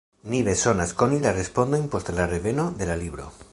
Ni bezonas koni la respondojn post la reveno de la libro.